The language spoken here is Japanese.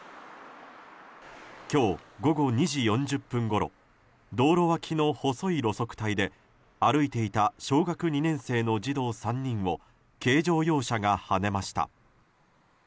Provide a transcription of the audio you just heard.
今日午後２時４０分ごろ道路脇の細い路側帯で歩いていた小学２年生の児童３人を軽乗用車がはねました。